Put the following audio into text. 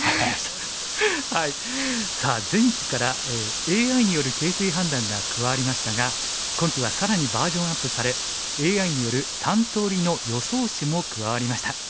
さあ前期からＡＩによる形勢判断が加わりましたが今期は更にバージョンアップされＡＩによる３通りの予想手も加わりました。